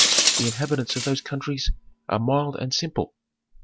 The inhabitants of those countries are mild and simple.